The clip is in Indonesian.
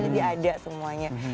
jadi ada semuanya